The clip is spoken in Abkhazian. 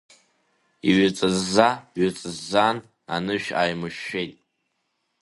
Иҩыҵызза-ҩыҵыззан, анышә ааимышәшәеит.